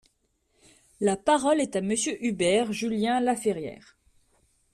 La parole est à Monsieur Hubert Julien-Laferriere.